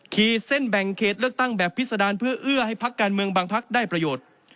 ขีดเส้นแบ่งเขตเลือกตั้งแบบพิษดารเพื่อเอื้อให้พักการเมืองบางพักได้ประโยชน์